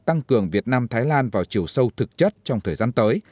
tăng cường việt nam thái lan vào chiều sâu thực chất trong thời gian tới